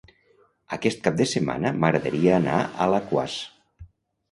Aquest cap de setmana m'agradaria anar a Alaquàs.